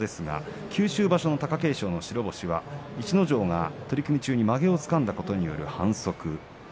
九州場所の貴景勝の白星は逸ノ城が取組中にまげをつかんだことによる反則